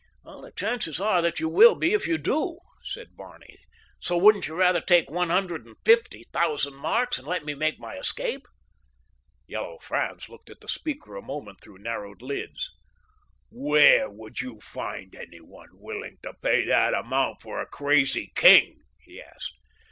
"The chances are that you will be if you do," said Barney, "so wouldn't you rather take one hundred and fifty thousand marks and let me make my escape?" Yellow Franz looked at the speaker a moment through narrowed lids. "Where would you find any one willing to pay that amount for a crazy king?" he asked.